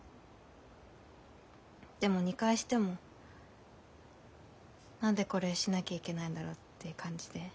でも２回しても「何でこれしなきゃいけないんだろう」って感じで。